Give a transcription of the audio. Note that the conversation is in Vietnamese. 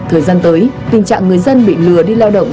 thời gian tới tình trạng người dân bị lừa đi lao động